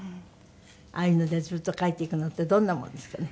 ああいうのでずっと書いていくのってどんなものですかね？